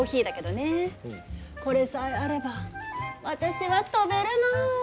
これさえあれば私は飛べるの。